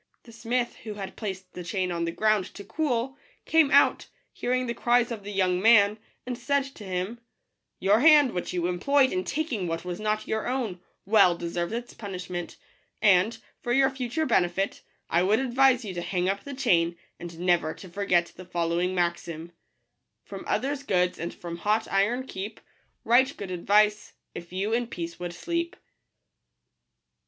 The smith, who had placed the chain on the ground to cool, came out, hearing the cries of the young man, and said to him, " Your hand, which you employed in taking what was not your own, well deserves its punish ment ; and, for your future benefit, I would advise you to hang up the chain, and never to forget the following maxim : From others' goods and from hot iron keep : Right good advice, if yon in peace would sleep.